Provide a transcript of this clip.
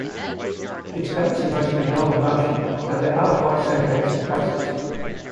Its banks are mostly low and marshy, though there are high sandbanks in places.